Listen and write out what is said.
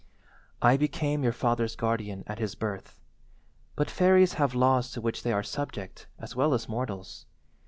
"I became your father's guardian at his birth, but fairies have laws to which they are subject as well as mortals.